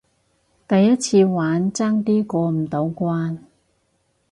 第一次玩，爭啲過唔到關